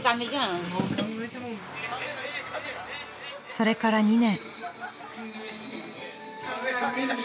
［それから２年］